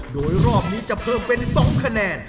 โดยรอบนี้จะเพิ่มเป็น๒คะแนน